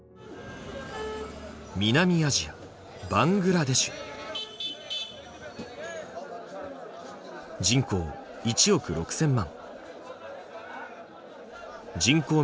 南アジア人口１億６，０００万。